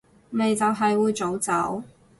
咪就係會早走